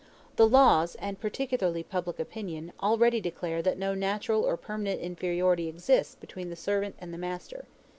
The laws, and partially public opinion, already declare that no natural or permanent inferiority exists between the servant and the master.